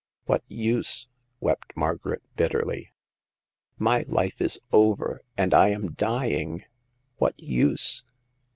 What use ?" wept Margaret, bitterly. " My life is over, and I am dying. What use